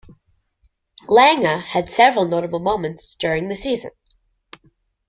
Lange had several notable moments during the season.